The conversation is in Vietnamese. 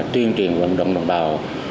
tuyên truyền vận động đồng bào